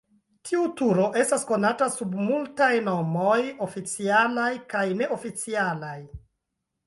Tiu turo estas konata sub multaj nomoj, oficialaj kaj neoficialaj.